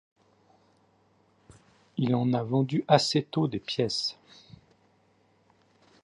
Il en a vendu assez tôt des pièces.